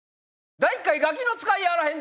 第１回『ガキの使いやあらへんで！』。